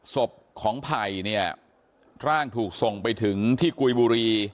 ศพของไผ่เนี่ยร่างถูกส่งไปถึงที่กุยบุรี